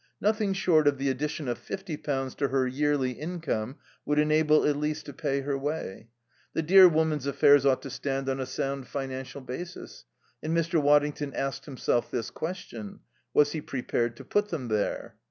Nothing short of the addition of fifty pounds to her yearly income would enable Elise to pay her way. The dear woman's affairs ought to stand on a sound financial basis; and Mr. Waddington asked himself this question: Was he prepared to put them there?